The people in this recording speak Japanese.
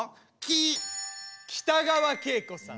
北川景子さん。